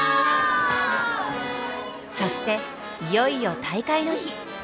そしていよいよ大会の日。